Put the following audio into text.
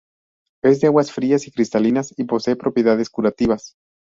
Es de aguas frías y cristalinas, y posee propiedades curativas.